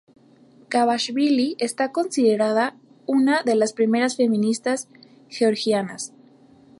Gabashvili está considerada una de las primeras feministas georgianas.